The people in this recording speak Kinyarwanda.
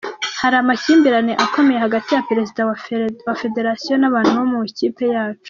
Hari amakimbirane akomeye hagati ya Perezida wa Federasiyo n’abantu bo mu ikipe yacu”.